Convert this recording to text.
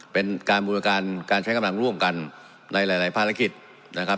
เป็นการบูรการการใช้กำลังร่วมกันในหลายภารกิจนะครับ